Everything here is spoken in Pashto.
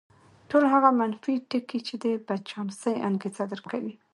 ټول هغه منفي ټکي چې د بدچانسۍ انګېزه درکوي.